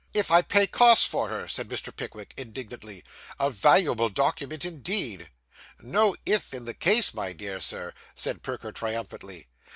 'If I pay her costs for her,' said Mr. Pickwick indignantly. 'A valuable document, indeed!' 'No "if" in the case, my dear Sir,' said Perker triumphantly.